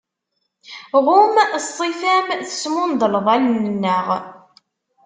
Ɣum, ṣṣifa-m tesmundleḍ allen-nneɣ.